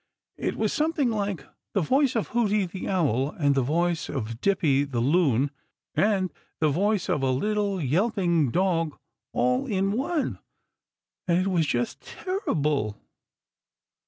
It was something like the voice of Hooty the Owl and the voice of Dippy the Loon and the voice of a little yelping dog all in one, and it was just terrible!"